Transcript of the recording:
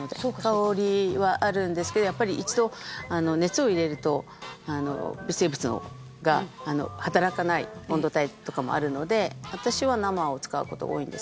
香りはあるんですけどやっぱり一度熱を入れると微生物が働かない温度帯とかもあるので私は生を使う事が多いんですけど。